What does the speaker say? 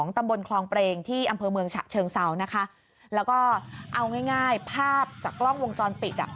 ตำบลคลองประเภงที่อำเภอเมืองชะเชิงเซาแล้วก็เอาง่ายภาพจากกล้องวงจรปิด